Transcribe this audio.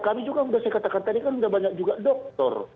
kami juga sudah saya katakan tadi kan sudah banyak juga doktor